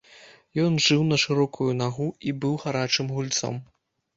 Ён жыў на шырокую нагу і быў гарачым гульцом.